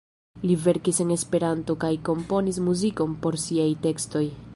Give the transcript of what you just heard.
Li verkis en Esperanto kaj komponis muzikon por siaj tekstoj.